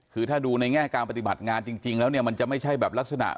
คือถ้าดูในแง่การปฏิบัติงานจริงแล้วเนี่ยมันจะไม่ใช่แบบลักษณะ